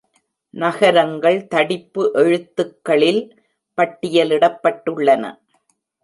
நகரங்கள் தடிப்பு எழுத்துக்களில் பட்டியலிடப்பட்டுள்ளன.